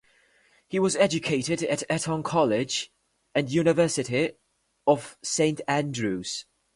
He was educated at Eton College and the University of Saint Andrews.